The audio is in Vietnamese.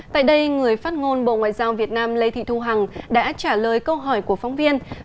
tại đây người phát ngôn bộ ngoại giao việt nam lê thị thu hằng đã trả lời câu hỏi của phóng viên